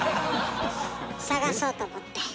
探そうと思って。